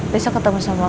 besok ketemu sama mbaik ya